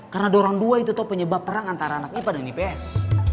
karena dorong dua itu tuh penyebab perang antara anak ipa dan ips